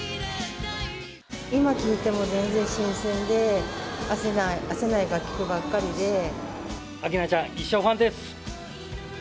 今聴いても全然新鮮で、明菜ちゃん、一生ファンです。